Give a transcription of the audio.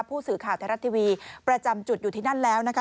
ผู้สื่อข่าวไทยรัฐทีวีประจำจุดอยู่ที่นั่นแล้วนะคะ